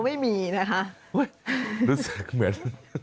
อุ๊ยรู้สึกเหมือน